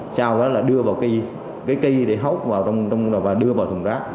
sau đó là đưa vào cây cây cây để hốt vào trong và đưa vào thùng rác